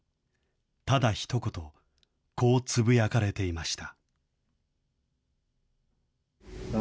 ただひと言、こうつぶやかれていました。